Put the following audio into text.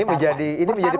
ini menjadi pertaruhan ya